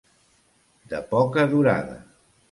De poca durada.